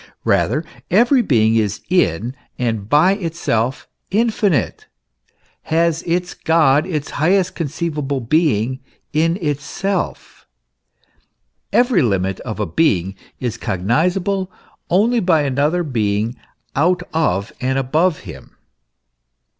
Rather, every being is in and by itself infinite has its God, its highest conceivable being, in itself. Every limit of a being is cognisable only by another being out of and above him.